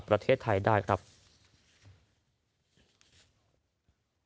ประมาว